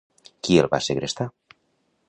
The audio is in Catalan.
Qui el va segrestar?